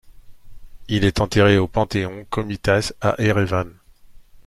Il est enterré au Panthéon Komitas à Erevan.